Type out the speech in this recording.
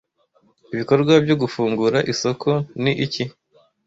"Ibikorwa byo gufungura isoko" ni iki